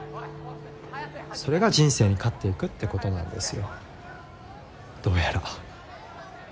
それが人生に勝っていくってことなんですよどうやら。